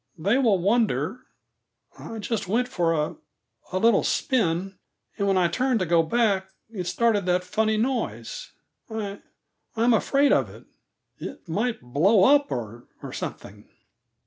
They will wonder I just went for a a little spin, and when I turned to go back, it started that funny noise. I I'm afraid of it. It might blow up, or or something."